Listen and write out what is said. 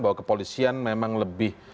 bahwa kepolisian memang lebih